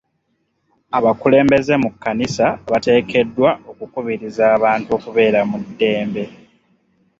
Abakulembeze mu kkanisa bateekeddwa okukubiriza abantu okubeera mu ddembe.